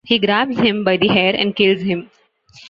He grabs him by the hair and kills him.